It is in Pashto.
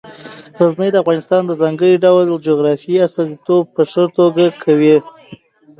غزني د افغانستان د ځانګړي ډول جغرافیې استازیتوب په ښه توګه کوي.